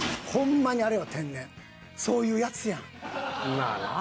まあなぁ。